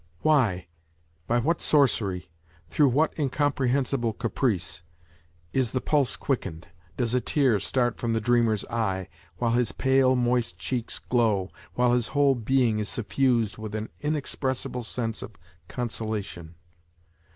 Why, by what sorcery, through what incomprehensible caprice, is the pulse quickened, does a tear start from the dreamer's eye, while his pale moist cheeks glow, while his whole being is suffused with an inexpressible sense of consolation